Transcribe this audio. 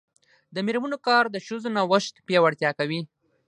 د میرمنو کار د ښځو نوښت پیاوړتیا کوي.